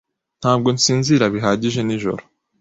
Ntabwo nsinzira bihagije nijoro.